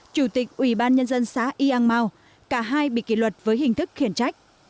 chủ tịch ubnd xã yang mao cả hai bị kỷ luật với hình thức khiển trách